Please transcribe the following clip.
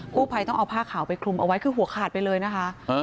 ผู้ภัยต้องเอาผ้าขาวไปคลุมเอาไว้คือหัวขาดไปเลยนะคะ